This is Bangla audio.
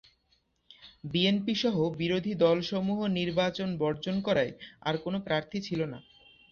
বিএনপি সহ বিরোধী দল সমূহ নির্বাচন বর্জন করায় আর কোন প্রার্থী ছিল না।